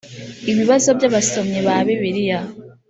ibibazo by abasomyi ba bibiliya